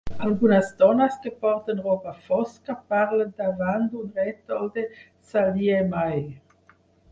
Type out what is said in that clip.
Algunes dones que porten roba fosca parlen davant d'un rètol de Sallie Mae.